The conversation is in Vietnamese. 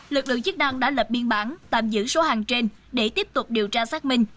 lực lượng chức năng đã lập biên bản tạm giữ số hàng trên để tiếp tục điều tra xác minh